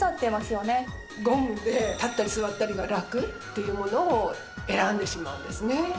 ゴムで立ったり座ったりがラクっていうものを選んでしまうんですね。